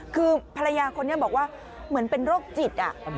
คือภรรยาคนนี้บอกว่าเหมือนเป็นโรคจิต